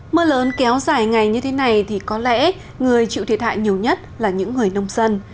mưa lớn kéo dài ngày như thế này thì có lẽ người chịu thiệt hại nhiều nhất là những người nông dân